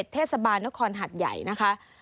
เทศบาลนครหัดใหญ่นะคะ